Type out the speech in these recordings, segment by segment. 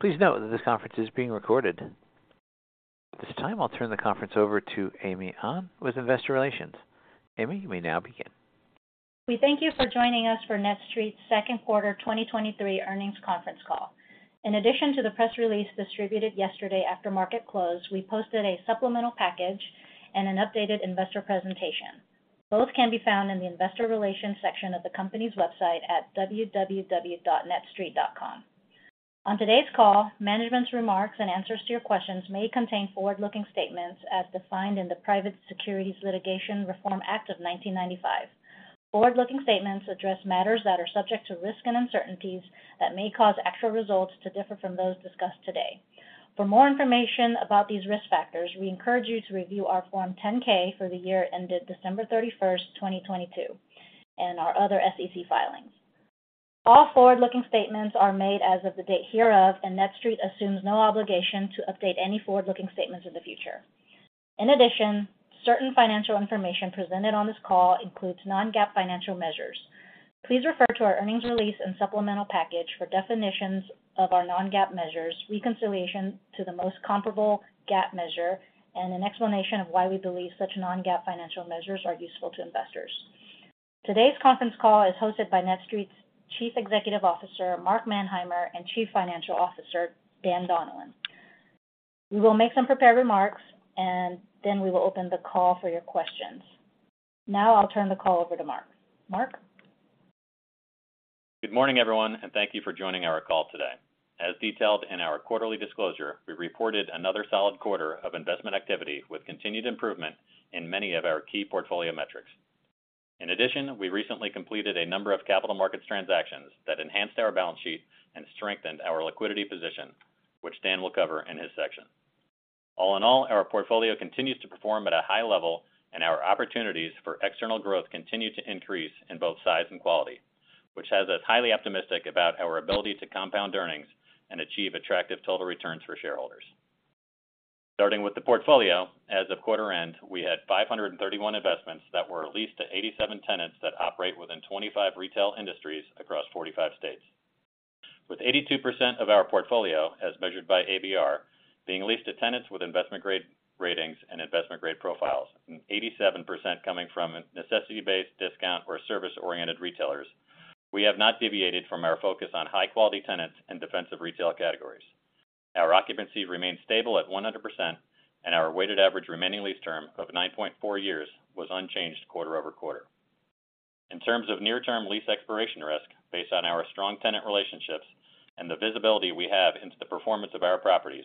Please note that this conference is being recorded. At this time, I'll turn the conference over to Amy Ahn with Investor Relations. Amy, you may now begin. We thank you for joining us for NETSTREIT's second quarter 2023 earnings conference call. In addition to the press release distributed yesterday after market close, we posted a supplemental package and an updated investor presentation. Both can be found in the Investor Relations section of the company's website at www.netstreit.com. On today's call, management's remarks and answers to your questions may contain forward-looking statements as defined in the Private Securities Litigation Reform Act of 1995. Forward-looking statements address matters that are subject to risks and uncertainties that may cause actual results to differ from those discussed today. For more information about these risk factors, we encourage you to review our Form 10-K for the year ended December 31st, 2022, and our other SEC filings. All forward-looking statements are made as of the date hereof. NETSTREIT assumes no obligation to update any forward-looking statements in the future. In addition, certain financial information presented on this call includes Non-GAAP financial measures. Please refer to our earnings release and supplemental package for definitions of our Non-GAAP measures, reconciliation to the most comparable GAAP measure, and an explanation of why we believe such Non-GAAP financial measures are useful to investors. Today's conference call is hosted by NETSTREIT's Chief Executive Officer, Mark Manheimer, and Chief Financial Officer, Dan Donlan. We will make some prepared remarks, and then we will open the call for your questions. Now I'll turn the call over to Mark. Mark? Good morning, everyone, and thank you for joining our call today. As detailed in our quarterly disclosure, we reported another solid quarter of investment activity with continued improvement in many of our key portfolio metrics. In addition, we recently completed a number of capital markets transactions that enhanced our balance sheet and strengthened our liquidity position, which Dan will cover in his section. All in all, our portfolio continues to perform at a high level, and our opportunities for external growth continue to increase in both size and quality, which has us highly optimistic about our ability to compound earnings and achieve attractive total returns for shareholders. Starting with the portfolio, as of quarter end, we had 531 investments that were leased to 87 tenants that operate within 25 retail industries across 45 states, with 82% of our portfolio, as measured by ABR, being leased to tenants with investment-grade ratings and investment-grade profiles, and 87% coming from necessity-based discount or service-oriented retailers. We have not deviated from our focus on high-quality tenants and defensive retail categories. Our occupancy remained stable at 100%, and our weighted average remaining lease term of 9.4 years was unchanged quarter-over-quarter. In terms of near-term lease expiration risk, based on our strong tenant relationships and the visibility we have into the performance of our properties,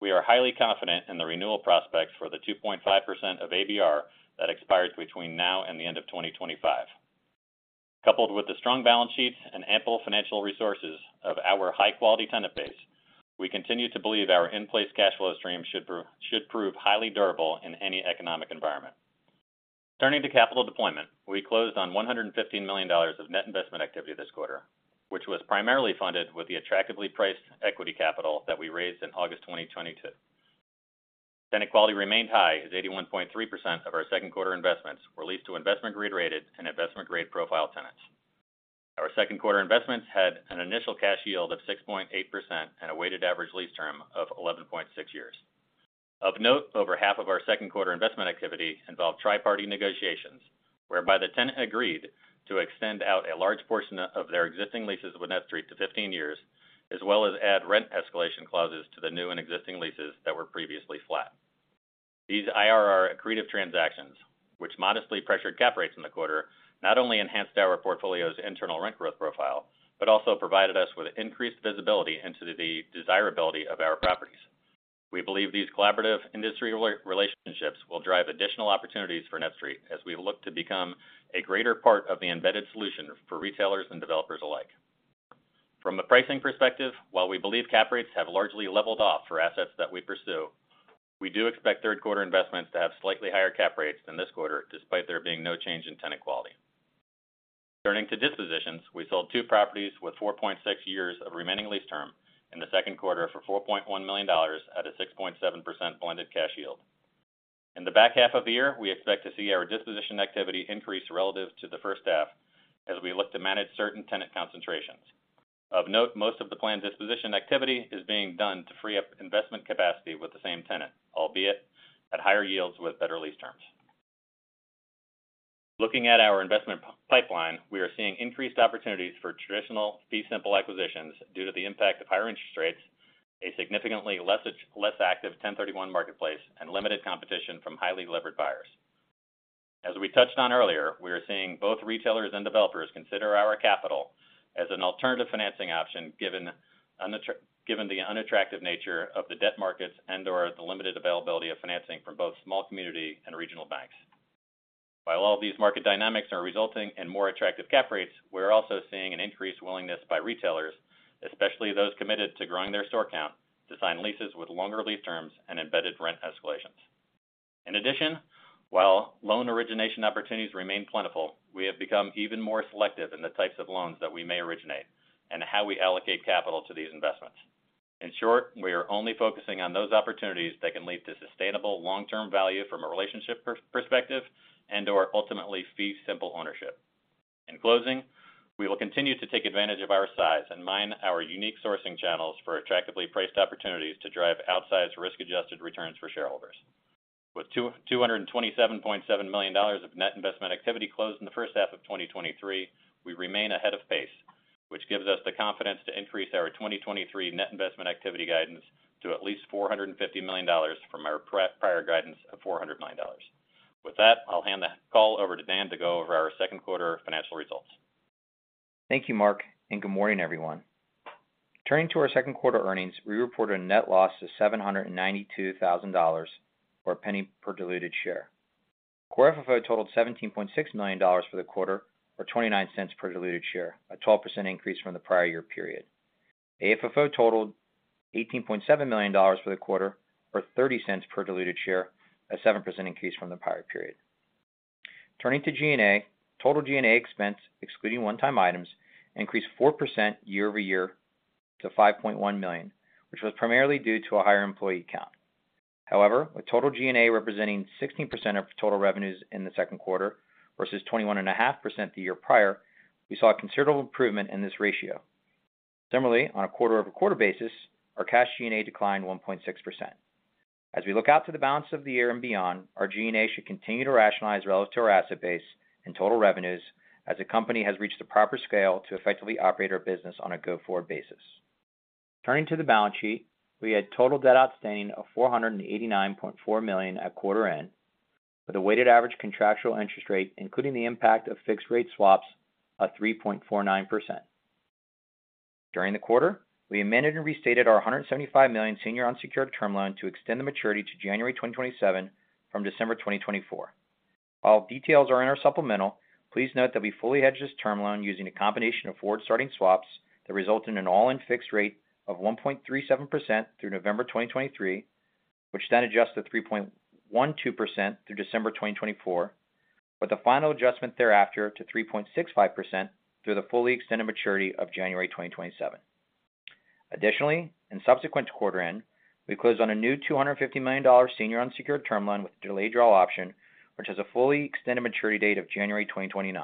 we are highly confident in the renewal prospects for the 2.5% of ABR that expires between now and the end of 2025. Coupled with the strong balance sheet and ample financial resources of our high-quality tenant base, we continue to believe our in-place cash flow stream should prove highly durable in any economic environment. Turning to capital deployment, we closed on $115 million of net investment activity this quarter, which was primarily funded with the attractively priced equity capital that we raised in August 2022. Tenant quality remained high, as 81.3% of our second quarter investments were leased to investment-grade rated and investment-grade profile tenants. Our second quarter investments had an initial cash yield of 6.8% and a weighted average lease term of 11.6 years. Of note, over half of our second quarter investment activity involved tri-party negotiations, whereby the tenant agreed to extend out a large portion of their existing leases with NETSTREIT to 15 years, as well as add rent escalation clauses to the new and existing leases that were previously flat. These IRR accretive transactions, which modestly pressured cap rates in the quarter, not only enhanced our portfolio's internal rent growth profile, but also provided us with increased visibility into the desirability of our properties. We believe these collaborative industry re-relationships will drive additional opportunities for NETSTREIT as we look to become a greater part of the embedded solution for retailers and developers alike. From a pricing perspective, while we believe cap rates have largely leveled off for assets that we pursue, we do expect third quarter investments to have slightly higher cap rates than this quarter, despite there being no change in tenant quality. Turning to dispositions, we sold two properties with 4.6 years of remaining lease term in the second quarter for $4.1 million at a 6.7% blended cash yield. In the back half of the year, we expect to see our disposition activity increase relative to the first half as we look to manage certain tenant concentrations. Of note, most of the planned disposition activity is being done to free up investment capacity with the same tenant, albeit at higher yields with better lease terms. Looking at our investment pipeline, we are seeing increased opportunities for traditional fee simple acquisitions due to the impact of higher interest rates, a significantly less active 1031 marketplace, Limited competition from highly levered buyers. As we touched on earlier, we are seeing both retailers and developers consider our capital as an alternative financing option, given the unattractive nature of the debt markets and/or the limited availability of financing from both small community and regional banks. While all of these market dynamics are resulting in more attractive cap rates, we're also seeing an increased willingness by retailers, especially those committed to growing their store count, to sign leases with longer lease terms and embedded rent escalations. While loan origination opportunities remain plentiful, we have become even more selective in the types of loans that we may originate and how we allocate capital to these investments. We are only focusing on those opportunities that can lead to sustainable long-term value from a relationship perspective and/or ultimately fee simple ownership. We will continue to take advantage of our size and mine our unique sourcing channels for attractively priced opportunities to drive outsized risk-adjusted returns for shareholders. With $227.7 million of net investment activity closed in the first half of 2023, we remain ahead of pace, which gives us the confidence to increase our 2023 net investment activity guidance to at least $450 million from our prior guidance of $400 million. With that, I'll hand the call over to Dan to go over our second quarter financial results. Thank you, Mark, and good morning, everyone. Turning to our second quarter earnings, we reported a net loss of $792,000, or $0.01 per diluted share. Core FFO totaled $17.6 million for the quarter, or $0.29 per diluted share, a 12% increase from the prior year period. AFFO totaled $18.7 million for the quarter or $0.30 per diluted share, a 7% increase from the prior period. Turning to G&A, total G&A expense, excluding one-time items, increased 4% year-over-year to $5.1 million, which was primarily due to a higher employee count. However, with total G&A representing 16% of total revenues in the second quarter versus 21.5% the year prior, we saw a considerable improvement in this ratio. Similarly, on a quarter-over-quarter basis, our cash G&A declined 1.6%. As we look out to the balance of the year and beyond, our G&A should continue to rationalize relative to our asset base and total revenues, as the company has reached the proper scale to effectively operate our business on a go-forward basis. Turning to the balance sheet, we had total debt outstanding of $489.4 million at quarter end, with a weighted average contractual interest rate, including the impact of fixed rate swaps, of 3.49%. During the quarter, we amended and restated our $175 million senior unsecured term loan to extend the maturity to January 2027 from December 2024. All details are in our supplemental. Please note that we fully hedged this term loan using a combination of forward-starting swaps that result in an all-in fixed rate of 1.37% through November 2023, which then adjusts to 3.12% through December 2024, with a final adjustment thereafter to 3.65% through the fully extended maturity of January 2027. Additionally, in subsequent to quarter end, we closed on a new $250 million senior unsecured term loan with delayed draw option, which has a fully extended maturity date of January 2029.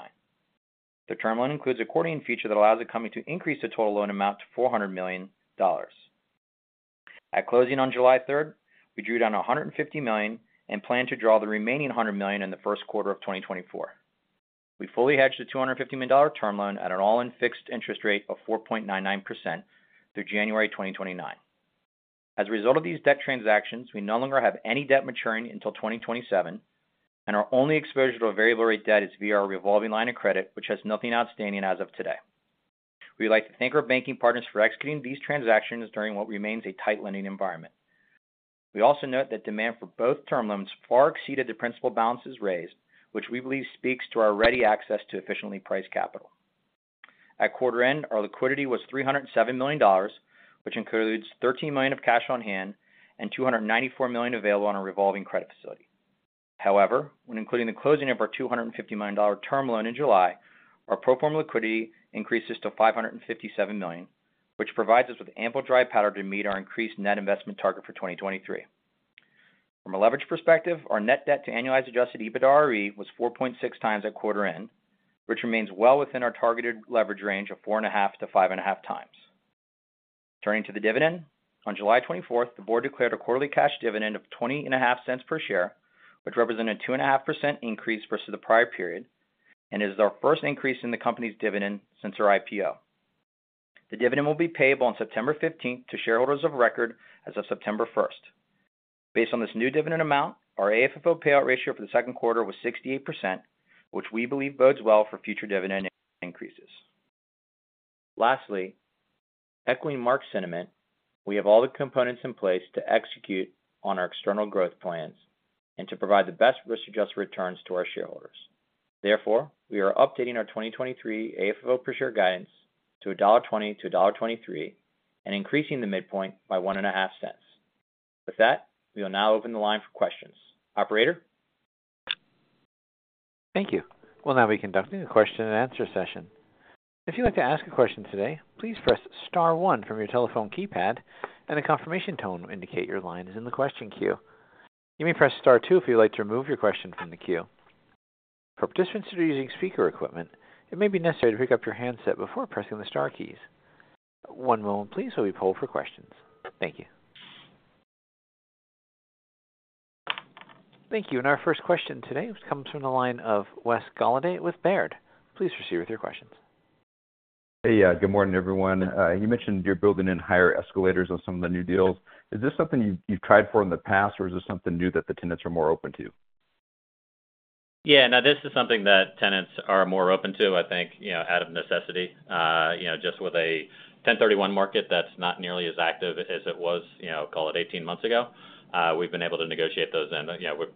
The term loan includes accordion feature that allows the company to increase the total loan amount to $400 million. At closing on July 3rd, we drew down $150 million and plan to draw the remaining $100 million in the first quarter of 2024. We fully hedged the $250 million term loan at an all-in fixed interest rate of 4.99% through January 2029. As a result of these debt transactions, we no longer have any debt maturing until 2027, and our only exposure to a variable rate debt is via our revolving line of credit, which has nothing outstanding as of today. We'd like to thank our banking partners for executing these transactions during what remains a tight lending environment. We also note that demand for both term loans far exceeded the principal balances raised, which we believe speaks to our ready access to efficiently priced capital. At quarter end, our liquidity was $307 million, which includes $13 million of cash on hand and $294 million available on a revolving credit facility. When including the closing of our $250 million term loan in July, our pro forma liquidity increases to $557 million, which provides us with ample dry powder to meet our increased net investment target for 2023. From a leverage perspective, our net debt to annualized Adjusted EBITDAre was 4.6x at quarter end, which remains well within our targeted leverage range of 4.5x-5.5x. Turning to the dividend, on July 24th, the board declared a quarterly cash dividend of $0.205 per share, which represented a 2.5% increase versus the prior period, and is our first increase in the company's dividend since our IPO. The dividend will be payable on September 15th to shareholders of record as of September 1st. Based on this new dividend amount, our AFFO payout ratio for the second quarter was 68%, which we believe bodes well for future dividend increases. Lastly, echoing Mark's sentiment, we have all the components in place to execute on our external growth plans and to provide the best risk-adjusted returns to our shareholders. We are updating our 2023 AFFO per share guidance to $1.20-$1.23 and increasing the midpoint by $0.015. We will now open the line for questions. Operator? Thank you. We'll now be conducting a question-and-answer session. If you'd like to ask a question today, please press star one from your telephone keypad, and a confirmation tone will indicate your line is in the question queue. You may press Star two if you'd like to remove your question from the queue. For participants that are using speaker equipment, it may be necessary to pick up your handset before pressing the star keys. One moment please, while we poll for questions. Thank you. Thank you. Our first question today comes from the line of Wes Golladay with Baird. Please proceed with your questions. Good morning, everyone. You mentioned you're building in higher escalators on some of the new deals. Is this something you've tried for in the past, or is this something new that the tenants are more open to? Yeah, no, this is something that tenants are more open to, I think, you know, out of necessity. you know, just with a 1031 market that's not nearly as active as it was, you know, call it 18 months ago, we've been able to negotiate those in.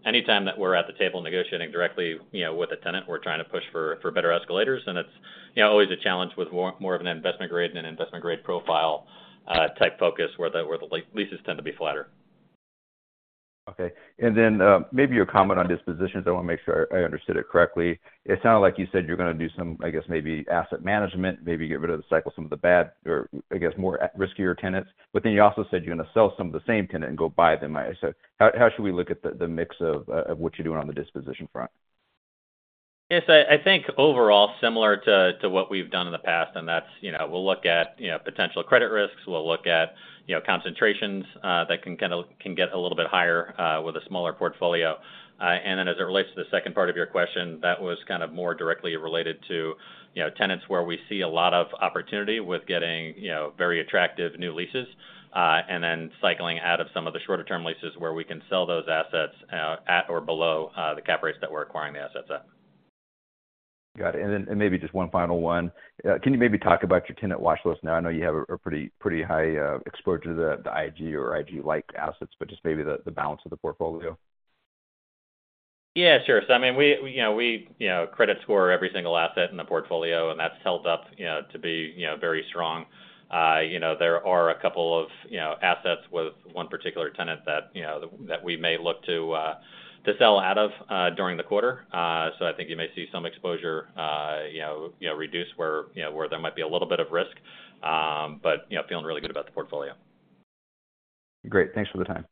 Anytime that we're at the table negotiating directly, you know, with a tenant, we're trying to push for better escalators. you know, always a challenge with more of an investment grade than investment grade profile type focus where the leases tend to be flatter. Okay. Then, maybe you'll comment on dispositions. I want to make sure I understood it correctly. It sounded like you said you're going to do some, I guess, maybe asset management, maybe get rid of the cycle, some of the bad or I guess, more riskier tenants. You also said you're going to sell some of the same tenant and go buy them. How should we look at the mix of what you're doing on the disposition front? Yes, I think overall, similar to what we've done in the past, and that's, you know, we'll look at, you know, potential credit risks. We'll look at, you know, concentrations that can get a little bit higher with a smaller portfolio. As it relates to the second part of your question, that was kind of more directly related to, you know, tenants where we see a lot of opportunity with getting, you know, very attractive new leases, and then cycling out of some of the shorter-term leases where we can sell those assets at or below the cap rates that we're acquiring the assets at. Got it. And maybe just one final one. Can you maybe talk about your tenant watch list? I know you have a pretty high exposure to the IG or IG-like assets, but just maybe the balance of the portfolio. Yeah, sure. I mean, we, you know, credit score every single asset in the portfolio, and that's held up, you know, to be, you know, very strong. You know, there are a couple of, you know, assets with one particular tenant that, you know, we may look to sell out of during the quarter. I think you may see some exposure, you know, reduce where, you know, there might be a little bit of risk. You know, feeling really good about the portfolio. Great. Thanks for the time.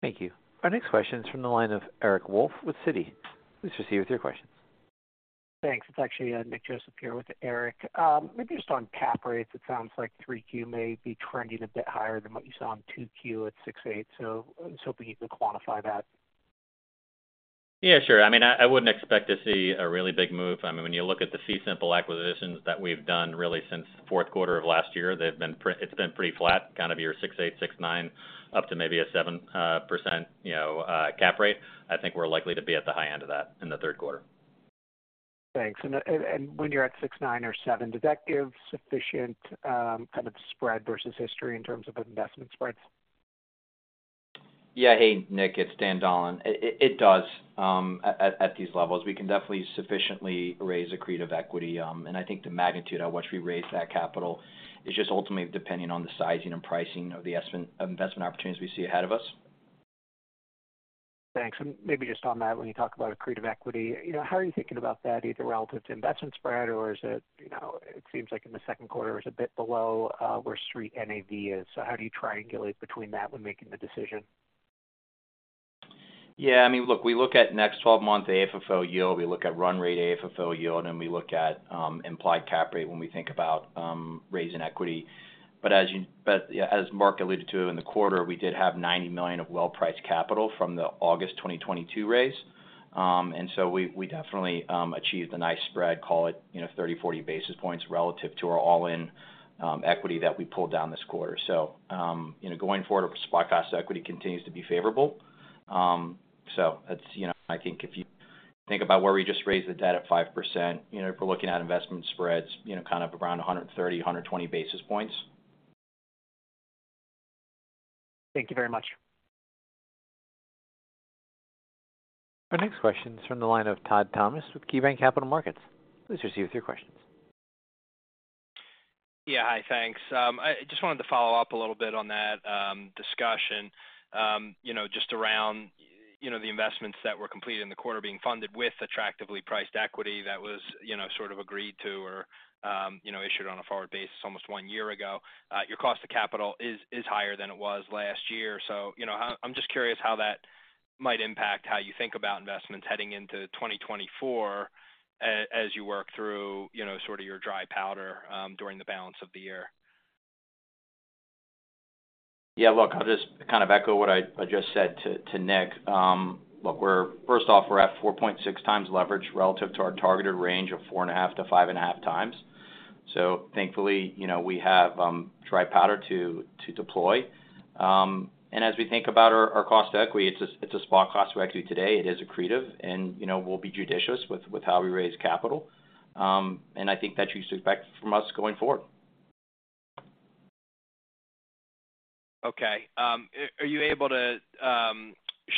Thank you. Our next question is from the line of Eric Wolfe with Citi. Please proceed with your questions. Thanks. It's actually, Nick Joseph here with Eric. Maybe just on cap rates, it sounds like 3Q may be trending a bit higher than what you saw on 2Q at 6.8%. I was hoping you could quantify that. Yeah, sure. I mean, I wouldn't expect to see a really big move. I mean, when you look at the fee simple acquisitions that we've done really since the fourth quarter of last year, it's been pretty flat, kind of your 6.8%, 6.9%, up to maybe a 7%, you know, cap rate. I think we're likely to be at the high end of that in the third quarter. Thanks. When you're at 6, 9 or 7, does that give sufficient kind of spread versus history in terms of investment spreads? Yeah. Hey, Nick, it's Dan Donlan. It does at these levels. We can definitely sufficiently raise accretive equity. I think the magnitude at which we raise that capital is just ultimately depending on the sizing and pricing of the investment opportunities we see ahead of us. Thanks. Maybe just on that, when you talk about accretive equity, you know, how are you thinking about that, either relative to investment spread, or is it, you know, it seems like in the second quarter, it's a bit below, where street NAV is. How do you triangulate between that when making the decision? Yeah, I mean, look, we look at next 12-month AFFO yield, we look at run rate AFFO yield, and we look at implied cap rate when we think about raising equity. As Mark alluded to in the quarter, we did have $90 million of well-priced capital from the August 2022 raise. We definitely achieved a nice spread, call it, you know, 30, 40 basis points relative to our all-in equity that we pulled down this quarter. Going forward, our spot cost equity continues to be favorable. That's, you know, I think if you think about where we just raised the debt at 5%, you know, if we're looking at investment spreads, you know, kind of around 130, 120 basis points. Thank you very much. Our next question is from the line of Todd Thomas with KeyBanc Capital Markets. Please proceed with your questions. Yeah. Hi, thanks. I just wanted to follow up a little bit on that discussion, you know, just around, you know, the investments that were completed in the quarter being funded with attractively priced equity that was, you know, sort of agreed to or, you know, issued on a forward basis almost one year ago. Your cost of capital is higher than it was last year. I'm just curious how that might impact how you think about investments heading into 2024, as you work through, you know, sort of your dry powder during the balance of the year. Yeah, look, I'll just kind of echo what I just said to Nick. First off, we're at 4.6 times leverage relative to our targeted range of 4.5-5.5 times. Thankfully, you know, we have dry powder to deploy. As we think about our cost of equity, it's a spot cost to equity today. It is accretive, and, you know, we'll be judicious with how we raise capital. I think that you should expect from us going forward. Okay. Are you able to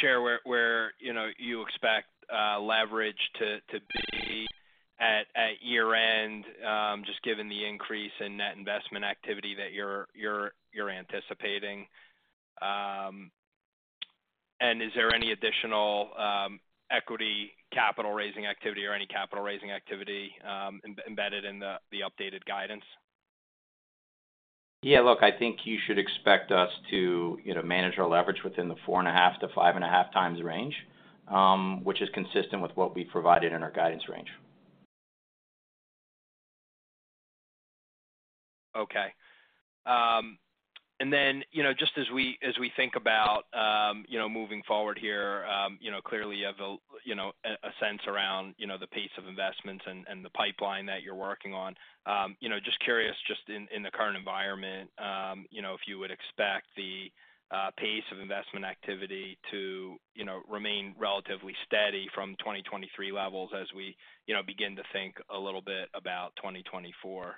share where, you know, you expect leverage to be at year-end, just given the increase in net investment activity that you're anticipating? Is there any additional equity capital raising activity or any capital raising activity embedded in the updated guidance? Yeah, look, I think you should expect us to, you know, manage our leverage within the 4.5x-5.5x range, which is consistent with what we've provided in our guidance range. Okay. Then, you know, just as we, as we think about, you know, moving forward here, you know, clearly you have a, you know, a sense around, you know, the pace of investments and, and the pipeline that you're working on. You know, just curious, just in, in the current environment, you know, if you would expect the pace of investment activity to, you know, remain relatively steady from 2023 levels as we, you know, begin to think a little bit about 2024?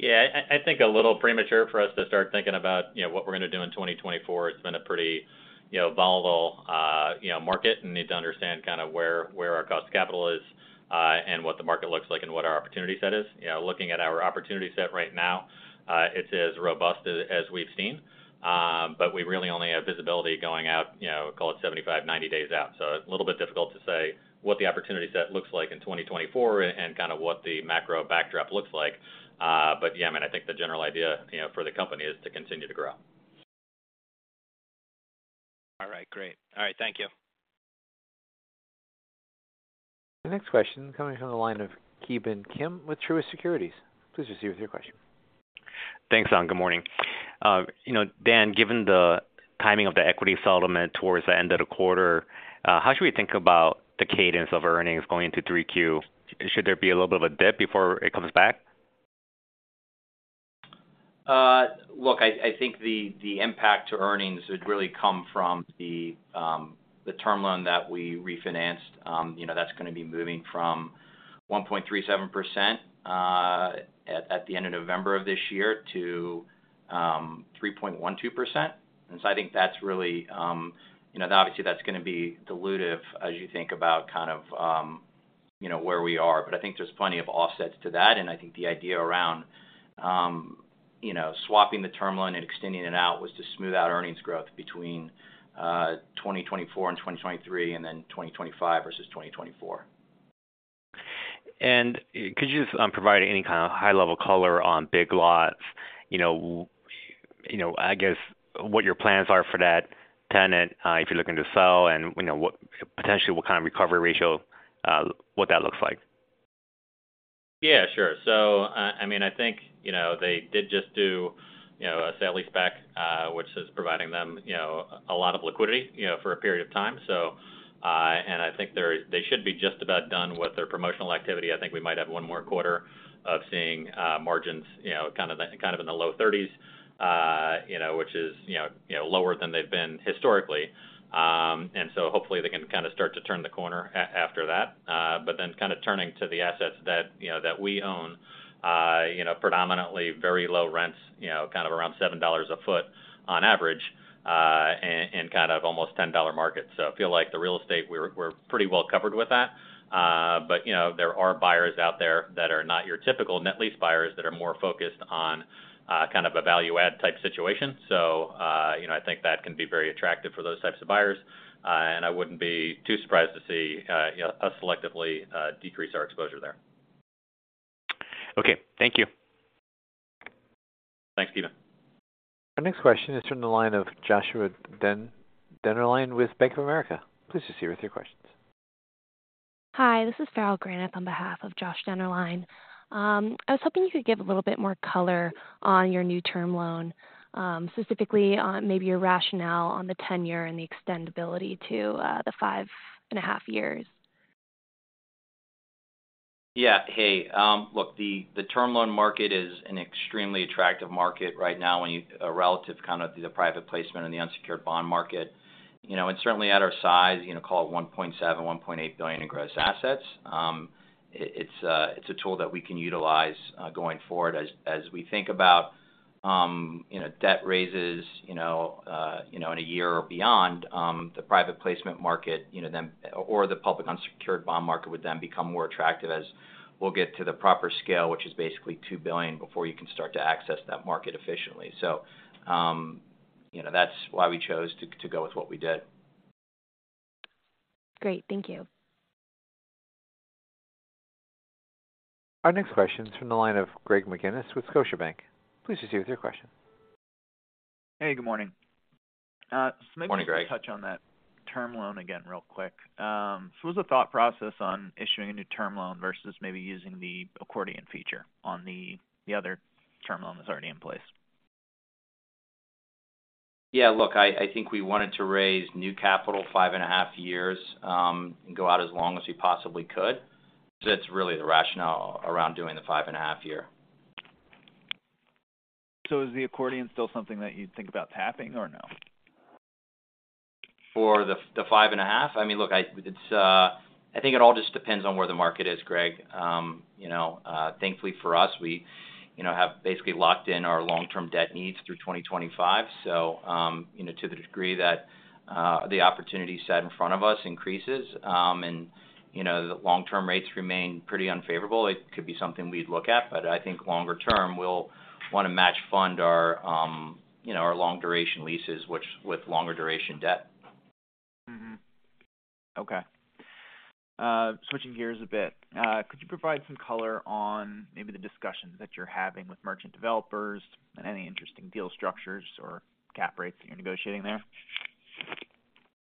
Yeah. I think a little premature for us to start thinking about, you know, what we're gonna do in 2024. It's been a pretty, you know, volatile, you know, market, and need to understand kind of where our cost of capital is, and what the market looks like and what our opportunity set is. You know, looking at our opportunity set right now, it's as robust as we've seen. We really only have visibility going out, you know, call it 75, 90 days out. So a little bit difficult to say what the opportunity set looks like in 2024 and kind of what the macro backdrop looks like. Yeah, I mean, I think the general idea, you know, for the company is to continue to grow. All right, thank you. The next question coming from the line of Ki Bin Kim with Truist Securities. Please proceed with your question. Thanks, Don. Good morning. You know, Dan, given the timing of the equity settlement towards the end of the quarter, how should we think about the cadence of earnings going into 3Q? Should there be a little bit of a dip before it comes back? Look, I, I think the impact to earnings would really come from the term loan that we refinanced. You know, that's gonna be moving from 1.37% at the end of November of this year to 3.12%. I think that's really, you know, obviously, that's gonna be dilutive as you think about kind of, you know, where we are. I think there's plenty of offsets to that, and I think the idea around, you know, swapping the term loan and extending it out was to smooth out earnings growth between 2024 and 2023 and then 2025 versus 2024. Could you just provide any kind of high-level color on Big Lots? You know, you know, I guess, what your plans are for that tenant, if you're looking to sell and, you know, potentially, what kind of recovery ratio, what that looks like? Yeah, sure. I mean, I think, you know, they did just do a sale-leaseback, which is providing them a lot of liquidity for a period of time. I think they're, they should be just about done with their promotional activity. I think we might have one more quarter of seeing margins, you know, kind of in the low thirties, which is lower than they've been historically. Hopefully they can kind of start to turn the corner after that. Kind of turning to the assets that, you know, that we own, predominantly very low rents, you know, kind of around $7 a foot on average, in, in kind of almost $10 markets. I feel like the real estate, we're pretty well covered with that. You know, there are buyers out there that are not your typical net lease buyers, that are more focused on, kind of a value add type situation. You know, I think that can be very attractive for those types of buyers. I wouldn't be too surprised to see, you know, us selectively, decrease our exposure there. Okay. Thank you. Thanks, Ki Bin Kim. Our next question is from the line of Joshua Dennerlein with Bank of America. Please proceed with your questions. Hi, this is Farrell Granath on behalf of Josh Dennerlein. I was hoping you could give a little bit more color on your new term loan, specifically on maybe your rationale on the tenure and the extendibility to, the 5.5 years. Yeah, Hey, look, the, the term loan market is an extremely attractive market right now relative kind of the private placement in the unsecured bond market. You know, certainly at our size, you know, call it $1.7 billion-$1.8 billion in gross assets. It, it's a, it's a tool that we can utilize going forward. As we think about, you know, debt raises, you know, in a year or beyond, the private placement market, you know, or the public unsecured bond market would then become more attractive as we'll get to the proper scale, which is basically $2 billion, before you can start to access that market efficiently. That's why we chose to go with what we did. Great. Thank you. Our next question is from the line of Greg McGinniss with Scotiabank. Please proceed with your question. Hey, good morning. Good morning, Greg. Maybe just touch on that term loan again real quick. What was the thought process on issuing a new term loan versus maybe using the accordion feature on the, the other term loan that's already in place? Yeah, look, I think we wanted to raise new capital five and a half years, and go out as long as we possibly could. That's really the rationale around doing the five and a half year. Is the accordion still something that you'd think about tapping or no? For the 5.5? I mean, look, it's, I think it all just depends on where the market is, Greg. You know, thankfully for us, we, you know, have basically locked in our long-term debt needs through 2025. You know, to the degree that the opportunity set in front of us increases, and, you know, the long-term rates remain pretty unfavorable, it could be something we'd look at, but I think longer term, we'll wanna match fund our, you know, our long duration leases, which with longer duration debt. Okay. Switching gears a bit, could you provide some color on maybe the discussions that you're having with merchant developers and any interesting deal structures or cap rates that you're negotiating there?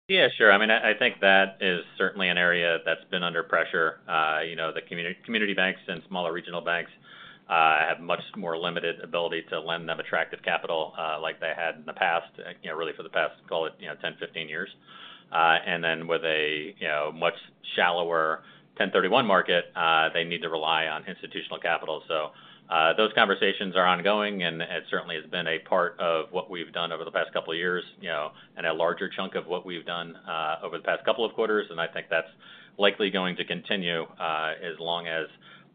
Yeah, sure. I mean, I, I think that is certainly an area that's been under pressure. you know, community banks and smaller regional banks have much more limited ability to lend them attractive capital like they had in the past, you know, really for the past, call it, you know, 10, 15 years. With a, you know, much shallower 1031 market, they need to rely on institutional capital. Those conversations are ongoing, and it certainly has been a part of what we've done over the past couple of years, you know, and a larger chunk of what we've done over the past couple of quarters, and I think that's likely going to continue as long as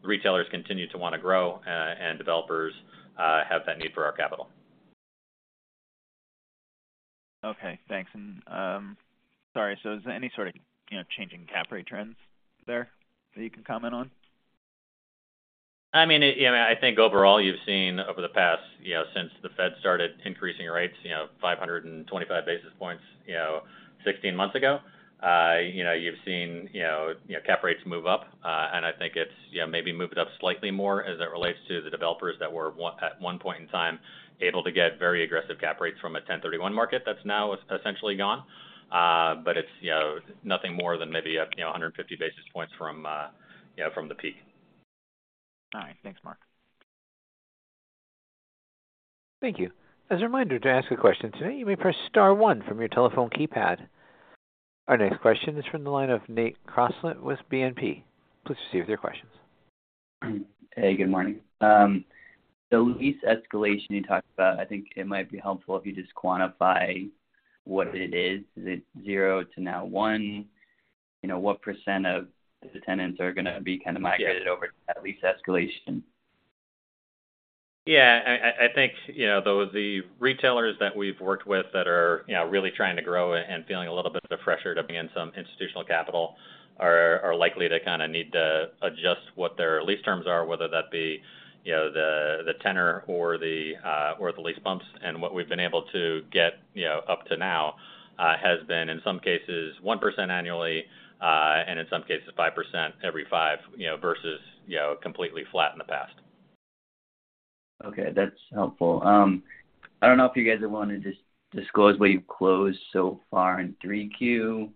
retailers continue to want to grow and developers have that need for our capital. Okay, thanks. sorry, so is there any sort of, you know, changing cap rate trends there that you can comment on? I mean, you know, I think overall you've seen over the past, you know, since the Fed started increasing rates, you know, 525 basis points, you know, 16 months ago, you know, you've seen, you know, cap rates move up, and I think it's, you know, maybe moved it up slightly more as it relates to the developers that were at one point in time, able to get very aggressive cap rates from a 1031 market that's now essentially gone. It's, you know, nothing more than maybe up, you know, 150 basis points from, you know, from the peak. All right. Thanks, Mark. Thank you. As a reminder, to ask a question today, you may press star one from your telephone keypad. Our next question is from the line of Nate Crossett with BNP. Please proceed with your questions. Good morning. The lease escalation you talked about, I think it might be helpful if you just quantify what it is. Is it zero to now one? You know, what percent of the tenants are gonna be kind of migrated over to that lease escalation? Yeah, I think, you know, those the retailers that we've worked with that are, you know, really trying to grow and feeling a little bit of the pressure to bring in some institutional capital are likely to kind of need to adjust what their lease terms are, whether that be, you know, the, the tenor or the or the lease bumps. What we've been able to get, you know, up to now has been, in some cases, 1% annually, and in some cases, 5% every 5, you know, versus, you know, completely flat in the past. Okay, that's helpful. I don't know if you guys are willing to just disclose what you've closed so far in 3Q.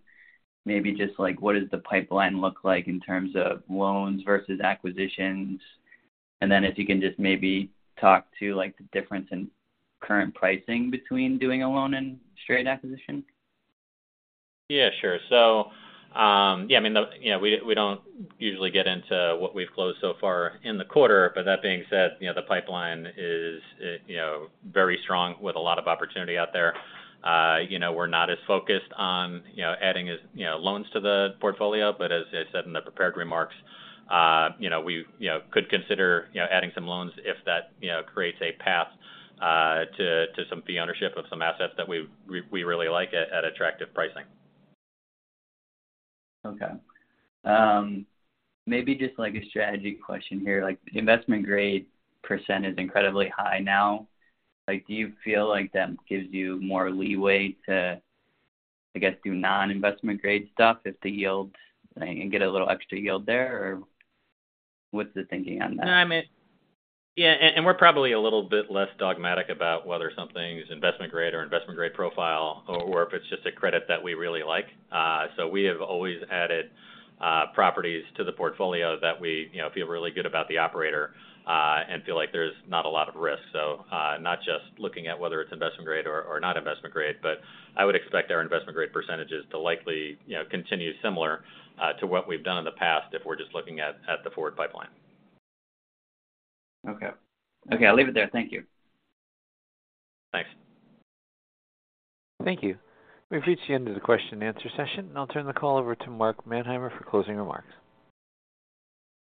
Maybe just like, what does the pipeline look like in terms of loans versus acquisitions? If you can just maybe talk to, like, the difference in current pricing between doing a loan and straight acquisition. Yeah, sure. Yeah, I mean, the, you know, we, we don't usually get into what we've closed so far in the quarter, but that being said, you know, the pipeline is, you know, very strong with a lot of opportunity out there. You know, we're not as focused on, you know, adding as, you know, loans to the portfolio. As I said in the prepared remarks, you know, we, you know, could consider, you know, adding some loans if that, you know, creates a path to some fee ownership of some assets that we really like at attractive pricing. Maybe just like a strategy question here, like, investment grade % is incredibly high now. Like, do you feel like that gives you more leeway to, I guess, do non-investment grade stuff if the yield, and get a little extra yield there, or what's the thinking on that? No, I mean Yeah, we're probably a little bit less dogmatic about whether something is investment grade or investment grade profile or if it's just a credit that we really like. We have always added properties to the portfolio that we, you know, feel really good about the operator, and feel like there's not a lot of risk. Not just looking at whether it's investment grade or not investment grade, but I would expect our investment grade percentages to likely, you know, continue similar to what we've done in the past if we're just looking at the forward pipeline. Okay. Okay, I'll leave it there. Thank you. Thanks. Thank you. We've reached the end of the question-and-answer session, and I'll turn the call over to Mark Manheimer for closing remarks.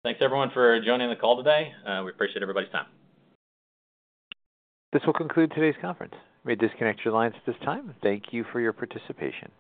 Thanks, everyone, for joining the call today. We appreciate everybody's time. This will conclude today's conference. You may disconnect your lines at this time. Thank you for your participation.